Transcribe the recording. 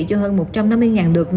cho hơn một trăm năm mươi lượt